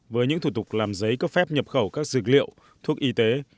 với những thủ tục làm giấy cấp phép nhập khẩu các dược liệu thuốc y tế